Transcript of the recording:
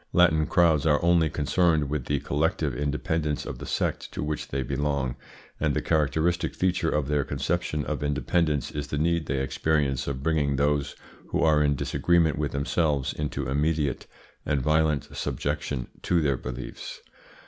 Latin crowds are only concerned with the collective independence of the sect to which they belong, and the characteristic feature of their conception of independence is the need they experience of bringing those who are in disagreement with themselves into immediate and violent subjection to their beliefs.